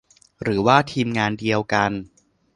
หรือว่าทีมงานเดียวกัน